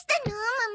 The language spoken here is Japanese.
ママ。